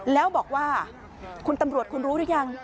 แล้วบอกว่าคุณตำรวจคุณรู้หรือยัง